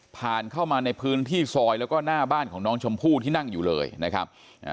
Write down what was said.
ผ่านเข้ามาในพื้นที่ซอยแล้วก็หน้าบ้านของน้องชมพู่ที่นั่งอยู่เลยนะครับ